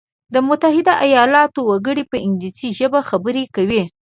د متحده ایلاتو وګړي په انګلیسي ژبه خبري کوي.